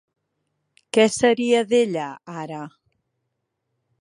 Què seria d'ella ara?